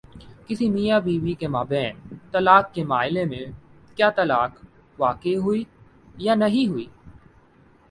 کسی میاں بیوی کے مابین طلاق کے مألے میں کیا طلاق واقع ہوئی ہے یا نہیں ہوئی؟